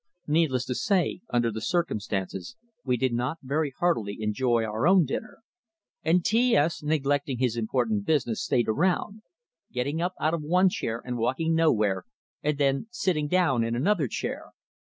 Needless to say, under the circumstances we did not very heartily enjoy our own dinner. And T S, neglecting his important business, stayed around; getting up out of one chair and walking nowhere, and then sitting down in another chair.